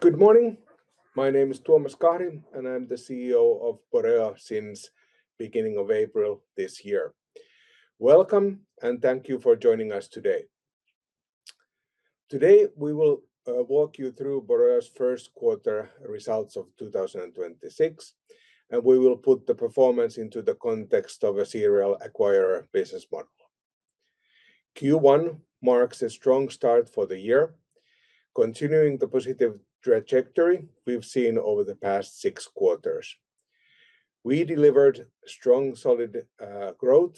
Good morning. My name is Tuomas Kahri, and I'm the CEO of Boreo since beginning of April this year. Welcome and thank you for joining us today. Today, we will walk you through Boreo's first quarter results of 2026, and we will put the performance into the context of a serial acquirer business model. Q1 marks a strong start for the year, continuing the positive trajectory we've seen over the past six quarters. We delivered strong solid growth.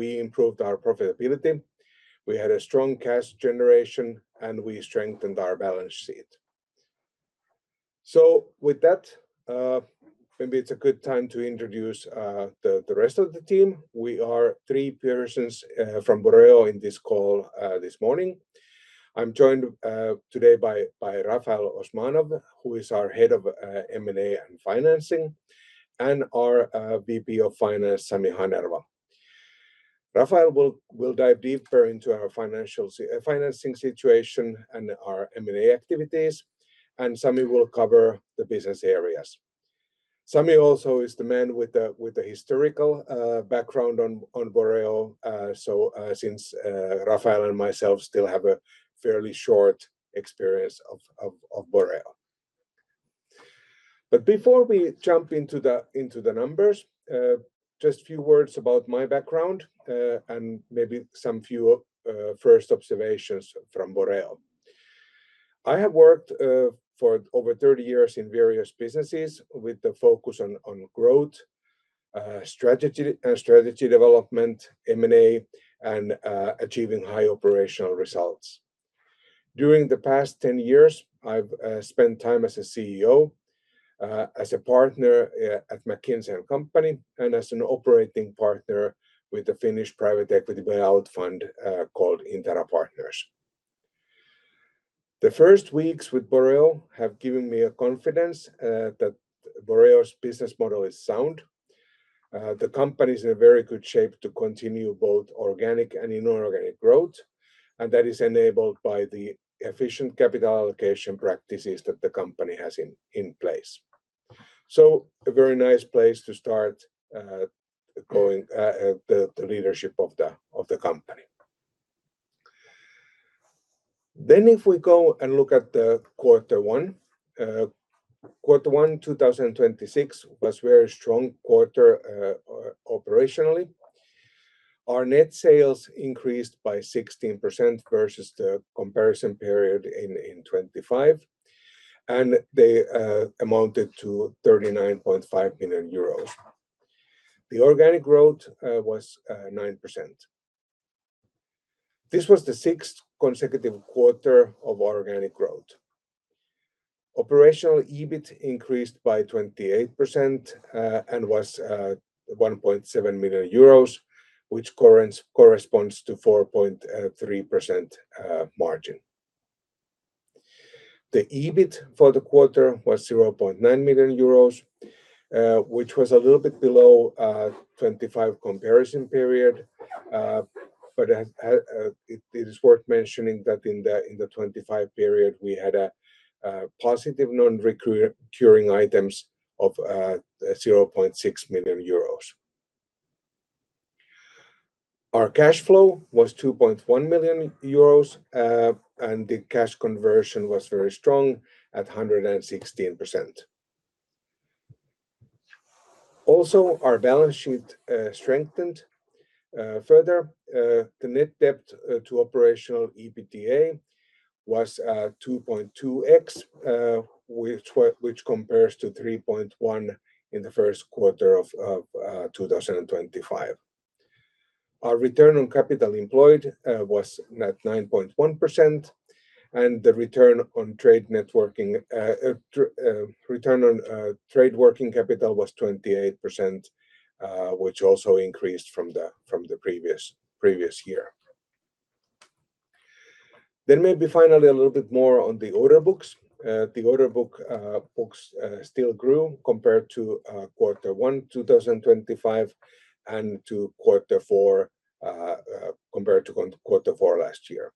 We improved our profitability. We had a strong cash generation, and we strengthened our balance sheet. With that, maybe it's a good time to introduce the rest of the team. We are three persons from Boreo in this call this morning. I'm joined today by Rafael Osmanov, who is our Head of M&A and Financing and our VP of Finance, Sami Hanerva. Rafael will dive deeper into our financing situation and our M&A activities, and Sami will cover the business areas. Sami also is the man with the historical background on Boreo, so since Rafael and myself still have a fairly short experience of Boreo. Before we jump into the numbers, just a few words about my background and maybe some few first observations from Boreo. I have worked for over 30 years in various businesses with the focus on growth and strategy development, M&A, and achieving high operational results. During the past 10 years, I've spent time as a CEO, as a partner, at McKinsey & Company and as an operating partner with a Finnish private equity buyout fund, called Intera Partners. The first weeks with Boreo have given me a confidence that Boreo's business model is sound. The company's in a very good shape to continue both organic and inorganic growth, and that is enabled by the efficient capital allocation practices that the company has in place. A very nice place to start the leadership of the company. If we go and look at the quarter one, quarter one 2026 was very strong quarter operationally. Our net sales increased by 16% versus the comparison period in 2025, and they amounted to 39.5 million euros. The organic growth was 9%. This was the sixth consecutive quarter of organic growth. Operational EBIT increased by 28% and was 1.7 million euros, which corresponds to 4.3% margin. The EBIT for the quarter was 0.9 million euros, which was a little bit below 2025 comparison period. It is worth mentioning that in the 2025 period, we had a positive non-recurring items of 0.6 million euros. Our cash flow was 2.1 million euros, and the cash conversion was very strong at 116%. Also, our balance sheet strengthened further. The net debt to operational EBITDA was 2.2x, which compares to 3.1x in first quarter of 2025. Our return on capital employed was net 9.1%, and the return on trade working capital was 28%, which also increased from the previous year. Maybe finally a little bit more on the order books. The order books still grew compared to quarter one 2025 and to quarter four last year.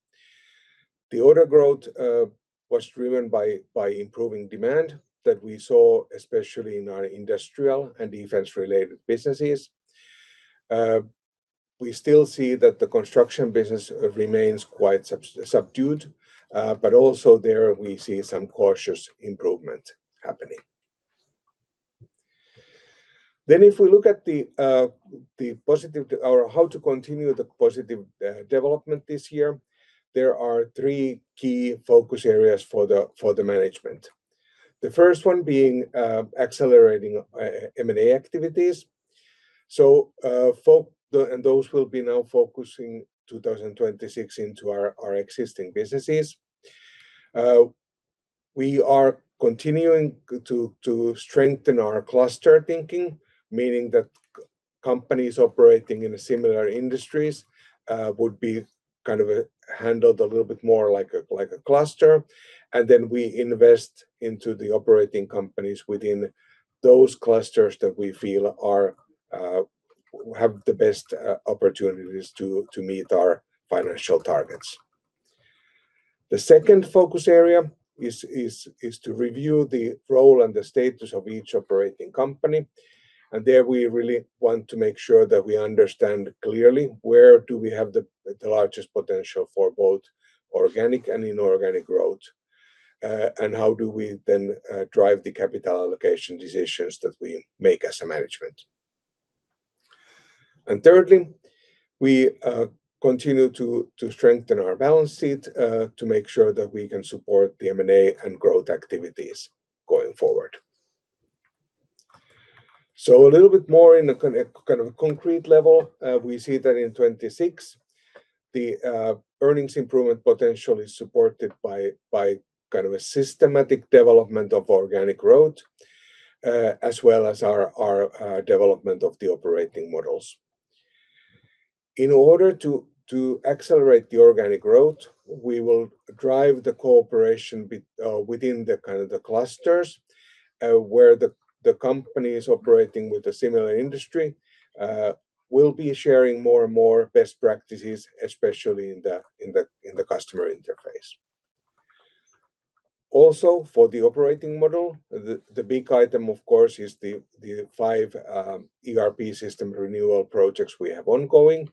The order growth was driven by improving demand that we saw especially in our industrial and defense-related businesses. We still see that the construction business remains quite subdued, also there we see some cautious improvement happening. If we look at the positive development this year, there are three key focus areas for the management. The first one being accelerating M&A activities. Those will be now focusing 2026 into our existing businesses. We are continuing to strengthen our cluster thinking, meaning that companies operating in similar industries would be kind of handled a little bit more like a, like a cluster, and then we invest into the operating companies within those clusters that we feel are have the best opportunities to meet our financial targets. The second focus area is to review the role and the status of each operating company. There we really want to make sure that we understand clearly where do we have the largest potential for both organic and inorganic growth. How do we then drive the capital allocation decisions that we make as a management. Thirdly, we continue to strengthen our balance sheet to make sure that we can support the M&A and growth activities going forward. A little bit more in a concrete level. We see that in 2026 the earnings improvement potential is supported by kind of a systematic development of organic growth, as well as our development of the operating models. In order to accelerate the organic growth, we will drive the cooperation within the kind of the clusters where the company is operating with a similar industry, we'll be sharing more and more best practices, especially in the customer interface. Also, for the operating model, the big item of course is the five ERP system renewal projects we have ongoing.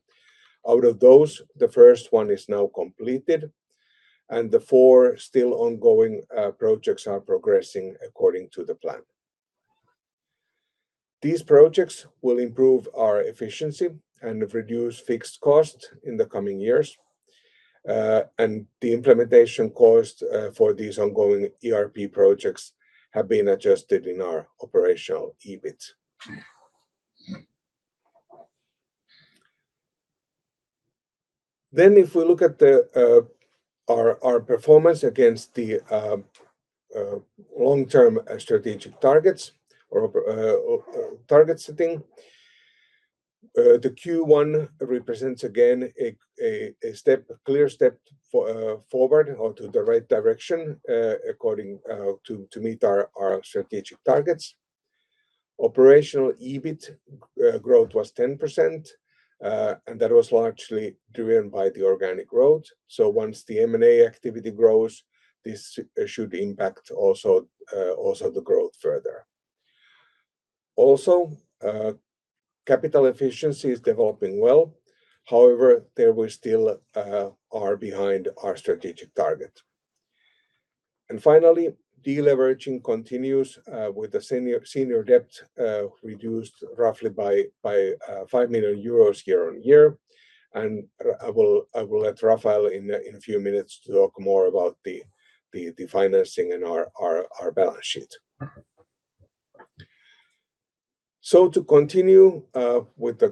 Out of those, the first one is now completed, the four still ongoing projects are progressing according to the plan. These projects will improve our efficiency and reduce fixed cost in the coming years. The implementation cost for these ongoing ERP projects have been adjusted in our Operational EBIT. If we look at our performance against the long-term strategic targets or target setting. The Q1 represents again a clear step forward or to the right direction, according to meet our strategic targets. Operational EBIT growth was 10%, that was largely driven by the organic growth. Once the M&A activity grows, this should impact also the growth further. Capital efficiency is developing well, however, there we still are behind our strategic target. Finally, deleveraging continues with the senior debt reduced roughly by 5 million euros year-on-year. I will let Rafael in a few minutes talk more about the financing and our balance sheet. To continue with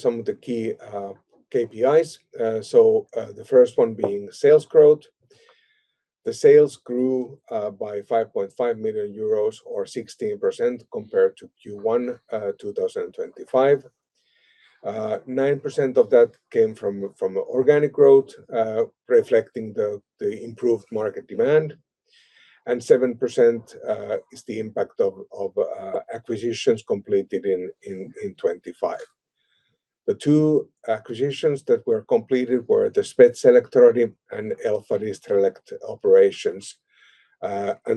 some of the key KPIs. The sales grew by 5.5 million euros or 16% compared to Q1 2025. 9% of that came from organic growth, reflecting the improved market demand, and 7% is the impact of acquisitions completed in 2025. The two acquisitions that were completed were the Spet Electro and Elfa Distrelec operations.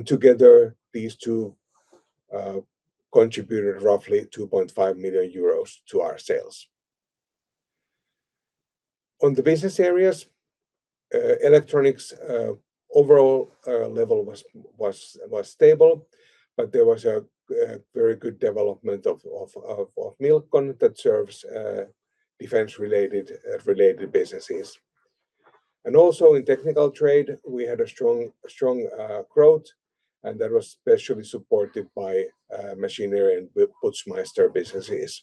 Together these two contributed roughly 2.5 million euros to our sales. On the business areas, Electronics overall level was stable, but there was a very good development of Milcon that serves defense related businesses. Also in Technical Trade we had a strong growth, and that was especially supported by machinery and Putzmeister businesses.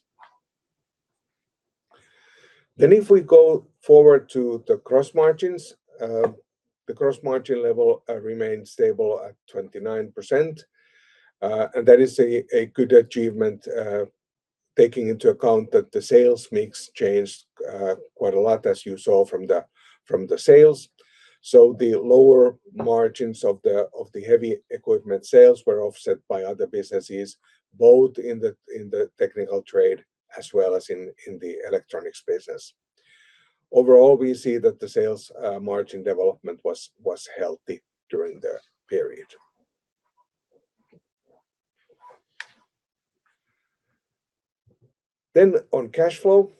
If we go forward to the cross margins. The cross margin level remains stable at 29%. And that is a good achievement, taking into account that the sales mix changed quite a lot as you saw from the sales. The lower margins of the heavy equipment sales were offset by other businesses, both in the Technical Trade as well as in the Electronics business. Overall, we see that the sales margin development was healthy during the period. On cash flow.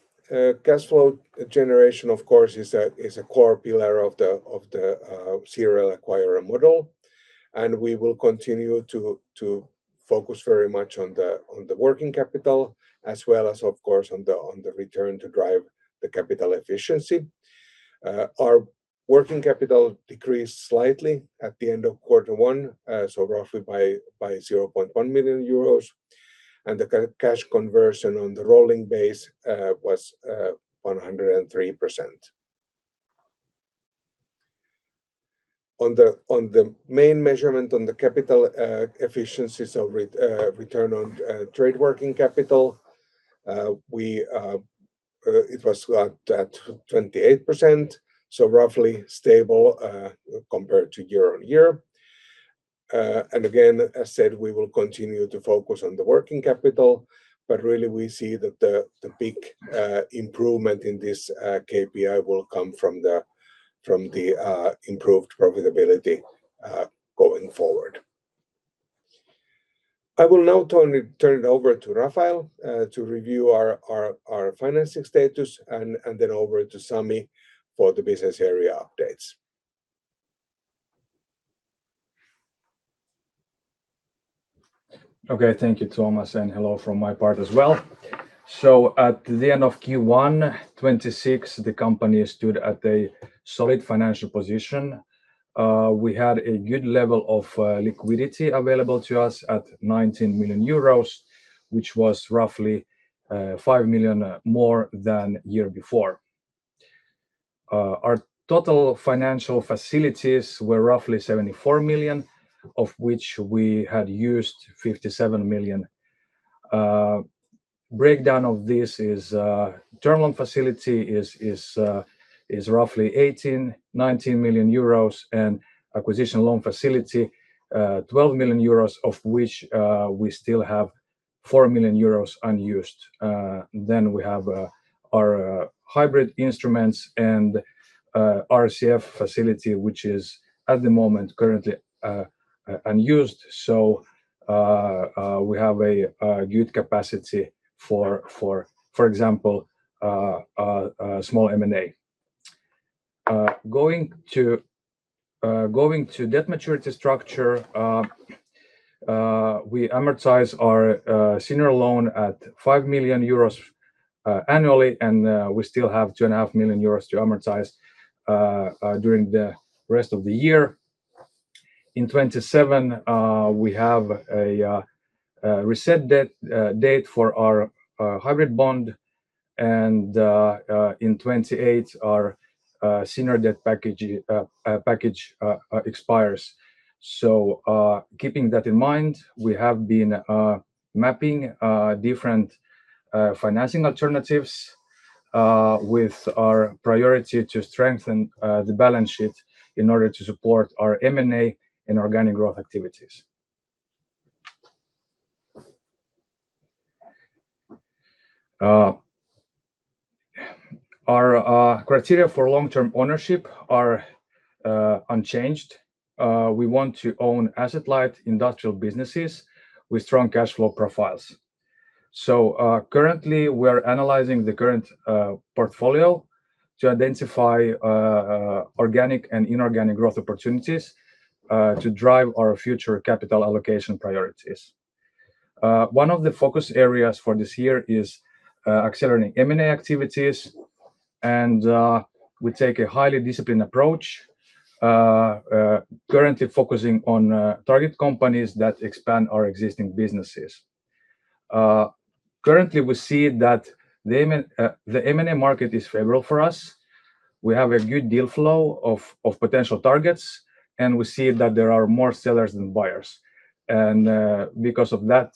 Cash flow generation, of course, is a core pillar of the serial acquirer model, and we will continue to focus very much on the working capital as well as of course on the return to drive the capital efficiency. Our working capital decreased slightly at the end of quarter one, so roughly by 0.1 million euros, and the cash conversion on the rolling base was 103%. On the main measurement on the capital efficiency, so return on trade working capital, it was at 28%, so roughly stable compared to year-on-year. And again, as said, we will continue to focus on the working capital, but really we see that the big improvement in this KPI will come from the improved profitability going forward. I will now turn it over to Rafael to review our financing status and then over to Sami for the business area updates. Okay. Thank you, Tuomas, and hello from my part as well. At the end of Q1 2026, the company stood at a solid financial position. We had a good level of liquidity available to us at 19 million euros, which was roughly 5 million more than year before. Our total financial facilities were roughly 74 million, of which we had used 57 million. Breakdown of this is terminal facility is roughly 18 million, 19 million euros and acquisition loan facility 12 million euros of which we still have 4 million euros unused. Then we have our hybrid instruments and RCF facility, which is at the moment currently unused. We have a good capacity for example, small M&A. Going to debt maturity structure, we amortize our senior loan at 5 million euros annually, and we still have 2.5 million euros to amortize during the rest of the year. In 2027, we have a reset debt date for our hybrid bond and in 2028 our senior debt package expires. Keeping that in mind, we have been mapping different financing alternatives with our priority to strengthen the balance sheet in order to support our M&A and organic growth activities. Our criteria for long-term ownership are unchanged. We want to own asset-light industrial businesses with strong cash flow profiles. Currently, we're analyzing the current portfolio to identify organic and inorganic growth opportunities to drive our future capital allocation priorities. One of the focus areas for this year is accelerating M&A activities and we take a highly disciplined approach, currently focusing on target companies that expand our existing businesses. Currently, we see that the M&A market is favorable for us. We have a good deal flow of potential targets, and we see that there are more sellers than buyers. Because of that,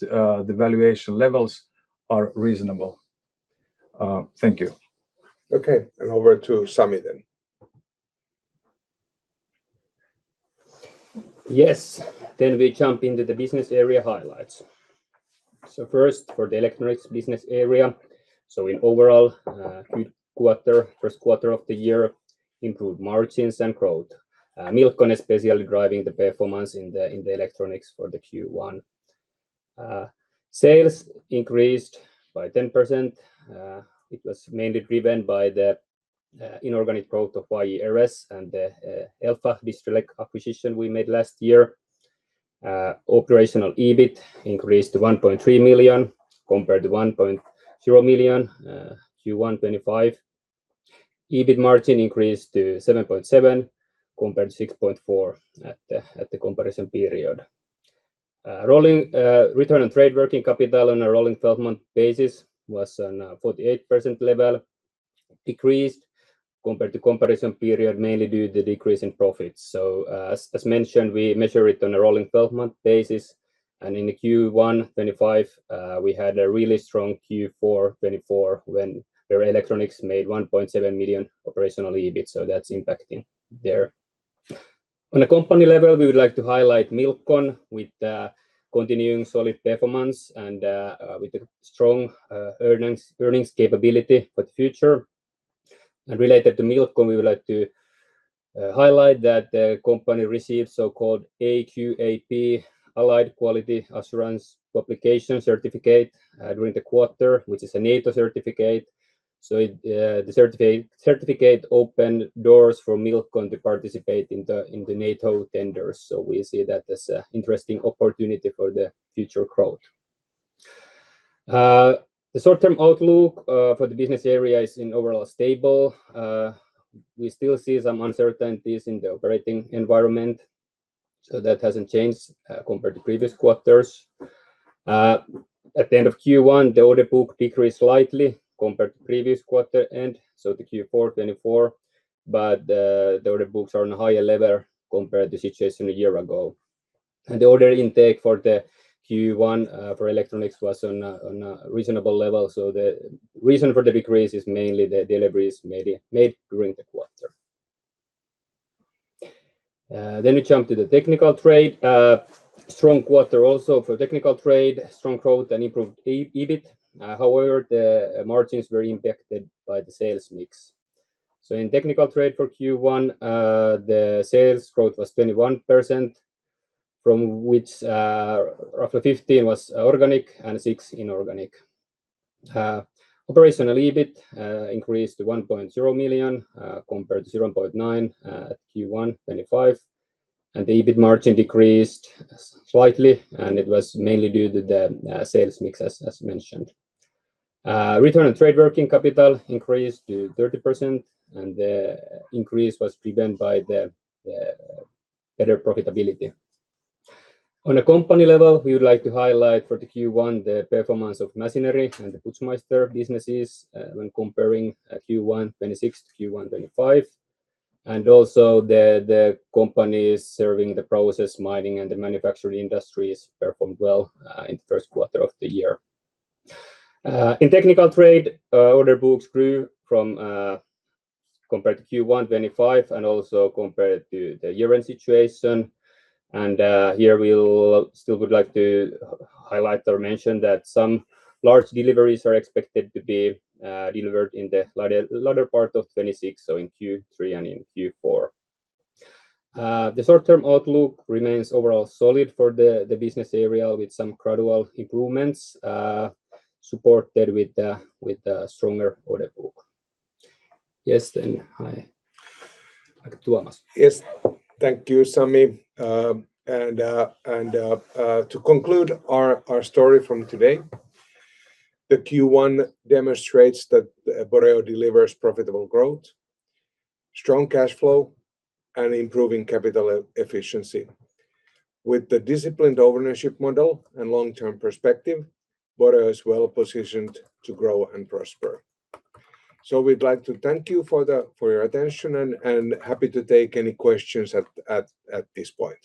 the valuation levels are reasonable. Thank you. Okay. Over to Sami then. Yes. We jump into the business area highlights. First, for the Electronics business area. In overall, good quarter, first quarter of the year improved margins and growth. Milcon especially driving the performance in the Electronics for the Q1. Sales increased by 10%. It was mainly driven by the inorganic growth of YE RS and the Elfa Distrelec acquisition we made last year. Operational EBIT increased to 1.3 million compared to 1.0 million Q1 2025. EBIT margin increased to 7.7% compared to 6.4% at the comparison period. Rolling return on trade working capital on a rolling 12-month basis was on a 48% level. Decreased compared to comparison period mainly due to the decrease in profits. As mentioned, we measure it on a rolling 12-month basis and in the Q1 2025, we had a really strong Q4 2024 when their Electronics made 1.7 million Operational EBIT. That's impacting there. On a company level, we would like to highlight Milcon with continuing solid performance and with a strong earnings capability for the future. Related to Milcon, we would like to highlight that the company received so-called AQAP, Allied Quality Assurance Publications certificate during the quarter, which is a NATO certificate. The certificate opened doors for Milcon to participate in the NATO tenders. We see that as an interesting opportunity for the future growth. The short-term outlook for the business area is in overall stable. We still see some uncertainties in the operating environment. That hasn't changed compared to previous quarters. At the end of Q1, the order book decreased slightly compared to previous quarter end, so the Q4 2024. The order books are on a higher level compared to situation a year ago. The order intake for the Q1 for Electronics was on a reasonable level. The reason for the decrease is mainly the deliveries made during the quarter. We jump to the Technical Trade. Strong quarter also for Technical Trade, strong growth and improved EBIT. However, the margins were impacted by the sales mix. In Technical Trade for Q1, the sales growth was 21%, from which roughly 15 was organic and 6 inorganic. Operational EBIT increased to 1.0 million compared to 0.9 million at Q1 2025. The EBIT margin decreased slightly, and it was mainly due to the sales mix, as mentioned. Return on trade working capital increased to 30%, and the increase was driven by the better profitability. On a company level, we would like to highlight for the Q1 the performance of machinery and the Putzmeister businesses when comparing Q1 2026 to Q1 2025. Also the companies serving the process mining and the manufacturing industries performed well in the first quarter of the year. In Technical Trade, order books grew from compared to Q1 2025 and also compared to the year-end situation. Here we'll still would like to highlight or mention that some large deliveries are expected to be delivered in the latter part of 2026, so in Q3 and in Q4. The short-term outlook remains overall solid for the business area with some gradual improvements, supported with the stronger order book. Yes, hi, Tuomas. Yes. Thank you, Sami. To conclude our story from today, the Q1 demonstrates that Boreo delivers profitable growth, strong cash flow and improving capital efficiency. With the disciplined ownership model and long-term perspective, Boreo is well-positioned to grow and prosper. We'd like to thank you for your attention and happy to take any questions at this point.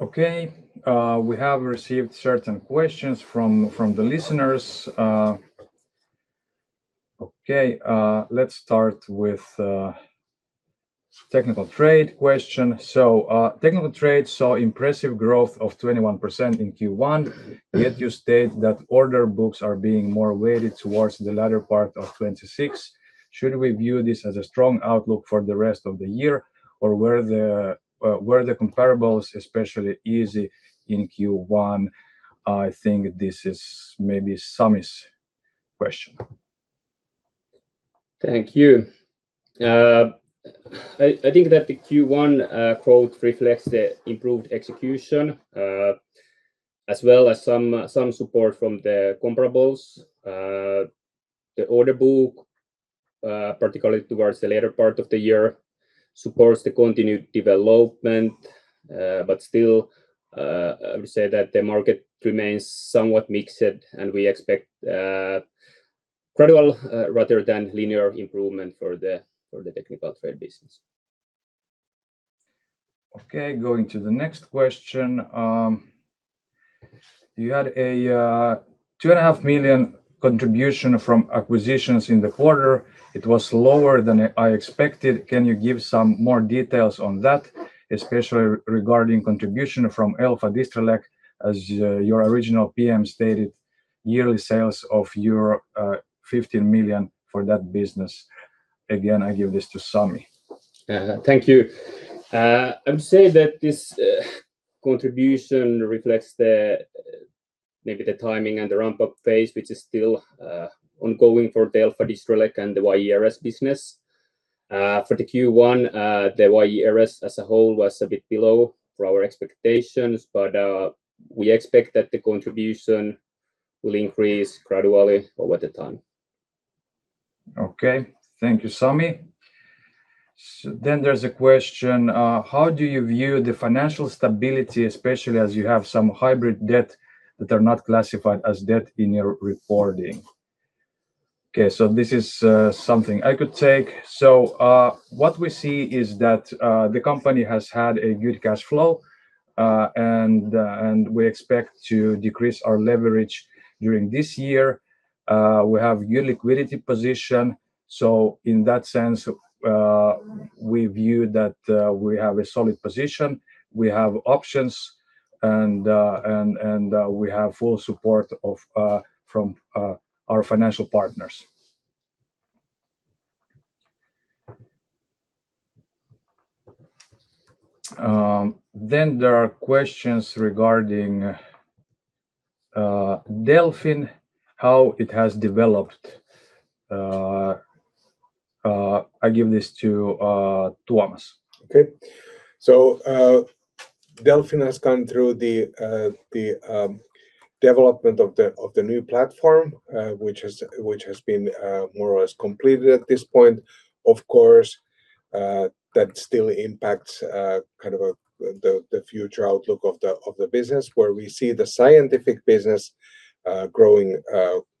Okay. We have received certain questions from the listeners. Okay. Let's start with Technical Trade question. Technical Trade saw impressive growth of 21% in Q1, yet you state that order books are being more weighted towards the latter part of 2026. Should we view this as a strong outlook for the rest of the year, or were the comparables especially easy in Q1? I think this is maybe Sami's question. Thank you. I think that the Q1 growth reflects the improved execution as well as some support from the comparables. The order book, particularly towards the latter part of the year, supports the continued development. I would say that the market remains somewhat mixed, and we expect gradual rather than linear improvement for the Technical Trade business. Okay, going to the next question. You had a 2.5 million contribution from acquisitions in the quarter. It was lower than I expected. Can you give some more details on that, especially regarding contribution from Elfa Distrelec, as your original PM stated yearly sales of euro 15 million for that business? Again, I give this to Sami. Thank you. I would say that this contribution reflects the, maybe the timing and the ramp-up phase, which is still ongoing for the Elfa Distrelec and the YE RS business. For the Q1, the YE RS as a whole was a bit below for our expectations, but we expect that the contribution will increase gradually over the time. Thank you, Sami. There's a question, how do you view the financial stability, especially as you have some hybrid debt that are not classified as debt in your reporting? This is something I could take. What we see is that the company has had a good cash flow, and we expect to decrease our leverage during this year. We have good liquidity position, so in that sense, we view that we have a solid position, we have options and we have full support from our financial partners. There are questions regarding Delfin, how it has developed. I give this to Tuomas. Okay. Delfin has gone through the development of the new platform, which has been more or less completed at this point. Of course, that still impacts kind of the future outlook of the business where we see the scientific business growing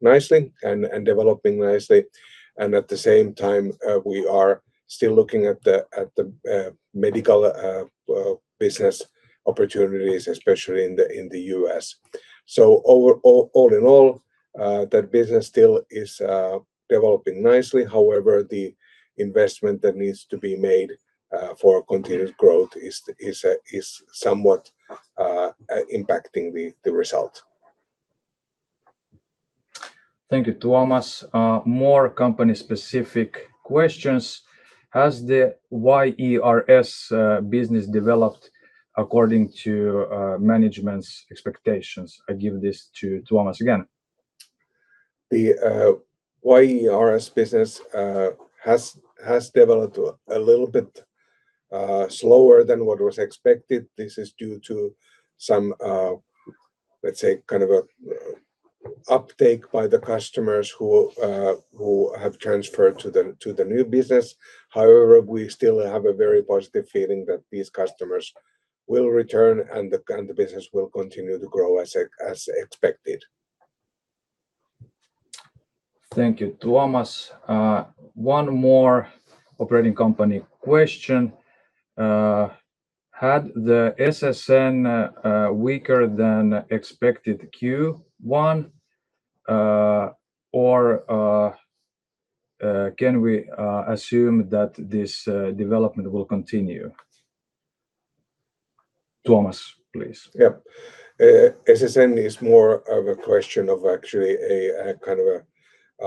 nicely and developing nicely and at the same time, we are still looking at the medical business opportunities, especially in the U.S. All in all, that business still is developing nicely. However, the investment that needs to be made for continued growth is somewhat impacting the result. Thank you, Tuomas. More company specific questions. Has the YE RS business developed according to management's expectations? I give this to Tuomas again. The YE RS business has developed a little bit slower than what was expected. This is due to some, let's say kind of a uptake by the customers who have transferred to the new business. However, we still have a very positive feeling that these customers will return and the business will continue to grow as expected. Thank you, Tuomas. One more operating company question. Had the SSN weaker than expected Q1, or can we assume that this development will continue? Tuomas, please. Yeah. SSN is more of a question of actually a kind of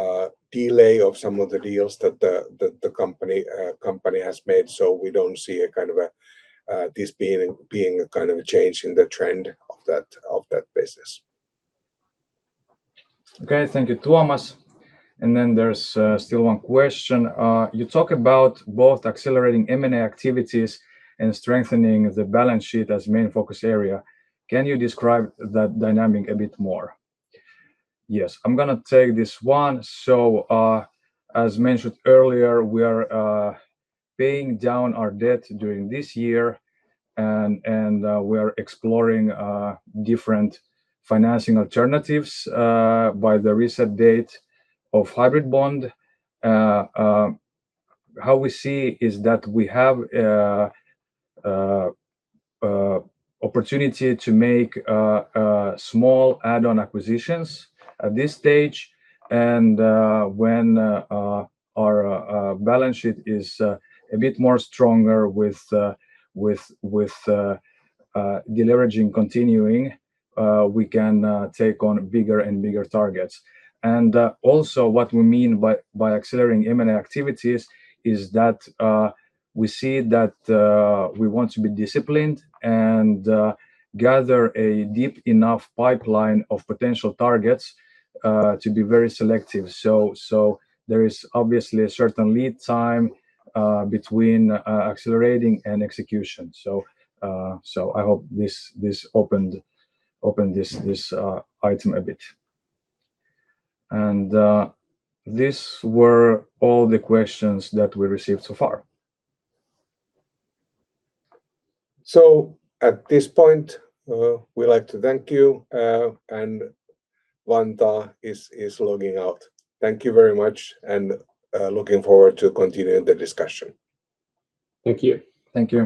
a delay of some of the deals that the company has made. We don't see a kind of a this being a kind of a change in the trend of that business. Okay. Thank you, Tuomas. There's still one question. You talk about both accelerating M&A activities and strengthening the balance sheet as main focus area. Can you describe that dynamic a bit more? Yes. I'm gonna take this one. As mentioned earlier, we are paying down our debt during this year and we're exploring different financing alternatives by the recent date of hybrid bond. How we see is that we have opportunity to make small add-on acquisitions at this stage and when our balance sheet is a bit more stronger with deleveraging continuing, we can take on bigger and bigger targets. Also what we mean by accelerating M&A activities is that we see that we want to be disciplined and gather a deep enough pipeline of potential targets to be very selective. There is obviously a certain lead time between accelerating and execution. I hope this opened this item a bit. These were all the questions that we received so far. At this point, we'd like to thank you, and Vantaa is logging out. Thank you very much and, looking forward to continuing the discussion. Thank you. Thank you.